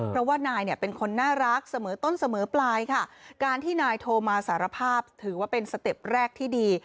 เพราะว่านายเนี่ยเป็นคนน่ารักเสมอต้นเสมอปลายค่ะการที่นายโทรมาสารภาพถือว่าเป็นสเต็ปแรกที่ดี